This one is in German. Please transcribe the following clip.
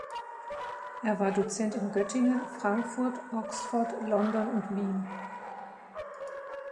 Er war Dozent in Göttingen, Frankfurt, Oxford, London und Wien.